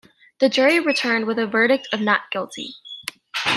The jury returned with a verdict of not guilty.